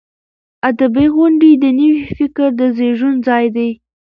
ادبي غونډې د نوي فکر د زیږون ځای دی.